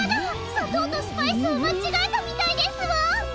さとうとスパイスをまちがえたみたいですわ！